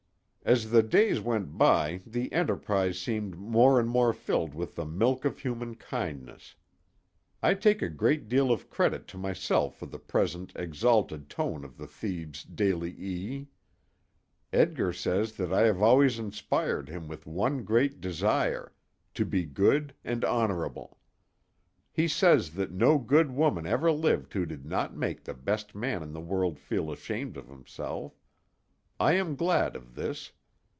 As the days went by, the Enterprise seemed more and more filled with the milk of human kindness. I take a great deal of credit to myself for the present exalted tone of the Thebes _Daily E _. Edgar says that I have always inspired him with one great desire to be good and honorable. He says that no good woman ever lived who did not make the best man in the world feel ashamed of himself. I am glad of this.